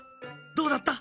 どうだった？